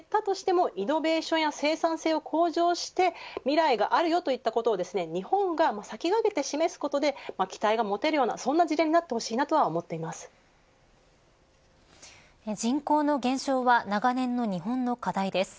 なので人口が減ったとしてもイノベーションや生産性を向上して未来があるよといったことを日本が先駆けて示すことで期待が持てるようなそんな時代になってほしいと人口の減少は長年の日本の課題です。